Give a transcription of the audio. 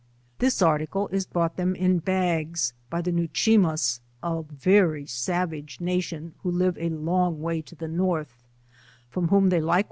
— This article . is brought them in bags by the Ne'wchemass, a very savage nation who live a long way to the North, from whom they like